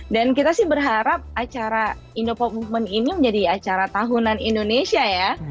dan kita sih berharap acara indo pop movement ini menjadi acara tahunan indonesia ya